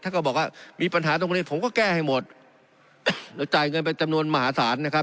ก็บอกว่ามีปัญหาตรงนี้ผมก็แก้ให้หมดเราจ่ายเงินไปจำนวนมหาศาลนะครับ